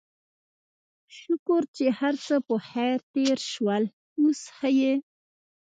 شکر چې هرڅه پخير تېر شول، اوس ښه يې؟